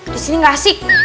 di sini gak asik